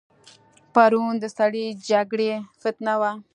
پرون د سړې جګړې فتنه وه.